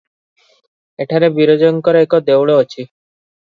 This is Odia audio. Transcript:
ଏଠାରେ ବିରଜାଙ୍କର ଏକ ଦେଉଳ ଅଛି ।